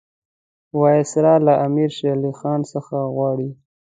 وایسرا له امیر شېر علي خان څخه غواړي.